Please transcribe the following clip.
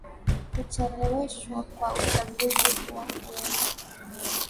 kucheleweshwa kwa uchaguzi huo huenda